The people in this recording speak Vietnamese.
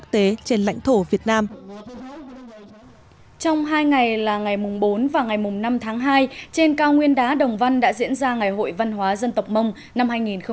trong hai ngày là ngày bốn và ngày năm tháng hai trên cao nguyên đá đồng văn đã diễn ra ngày hội văn hóa dân tộc mông năm hai nghìn một mươi chín